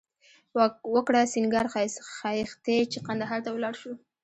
وکړه سینگار ښایښتې چې قندهار ته ولاړ شو